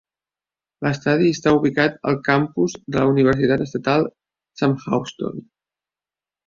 L'estadi està ubicat al campus de la Universitat Estatal Sam Houston.